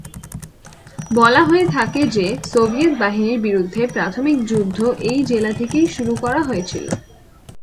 বলা হয়ে থাকে যে, সোভিয়েত বাহিনীর বিরুদ্ধে প্রাথমিক যুদ্ধ এই জেলা থেকেই শুরু করা হয়েছিল।